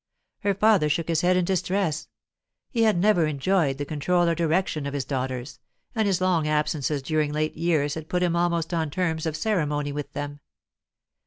Her father shook his head in distress. He had never enjoyed the control or direction of his daughters, and his long absences during late years had put him almost on terms of ceremony with them.